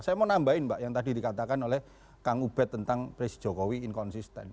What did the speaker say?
saya mau nambahin mbak yang tadi dikatakan oleh kang ubed tentang presiden jokowi inkonsisten